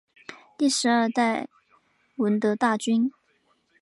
是第十二代闻得大君。